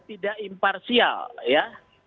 tidak imparsial ya